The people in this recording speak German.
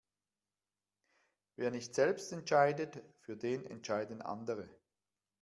Wer nicht selbst entscheidet, für den entscheiden andere.